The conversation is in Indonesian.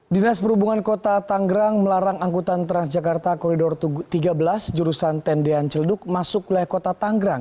dinas perhubungan kota tanggrang melarang angkutan transjakarta koridor tiga belas jurusan tendian ciledug masuk oleh kota tanggrang